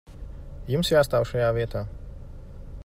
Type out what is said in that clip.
Jums jāstāv šajā vietā.